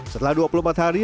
setelah dua puluh empat hari